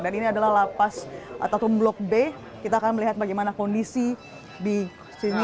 dan ini adalah lapas atau blok b kita akan melihat bagaimana kondisi di sini